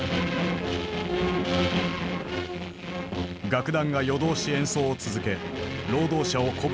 楽団が夜通し演奏を続け労働者を鼓舞した。